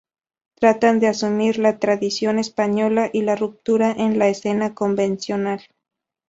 Tratan de asumir la tradición española y la ruptura con la escena convencional.